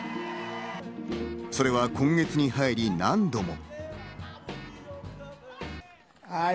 それは今月に入り、何度も。